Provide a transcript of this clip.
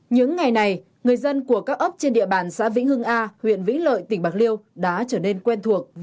người dân ta rất là có ý thức